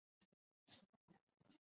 抬轿者称为轿夫。